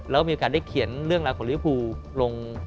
แล้วมีโอกาสได้เขียนเรื่องราวของลิวภูลง